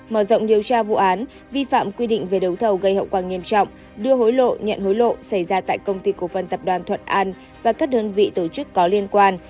mở rộng điều tra vụ án vi phạm quy định về đấu thầu gây hậu quả nghiêm trọng đưa hối lộ nhận hối lộ xảy ra tại công ty cổ phần tập đoàn thuận an và các đơn vị tổ chức có liên quan